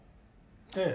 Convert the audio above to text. ええ。